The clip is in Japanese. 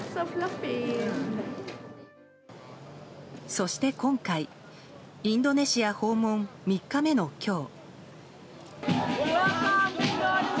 そして、今回インドネシア訪問３日目の今日。